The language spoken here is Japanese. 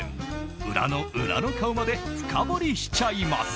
裏の裏の顔まで深掘りしちゃいます。